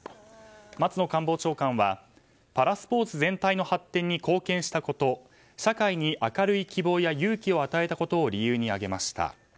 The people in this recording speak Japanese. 松野官房長官はパラスポーツ全体の発展に貢献したこと社会に明るい希望や勇気を与えたことを理由に挙げました。